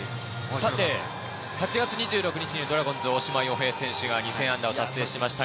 ８月２６日にドラゴンズの大島洋平選手が２０００安打を達成しました。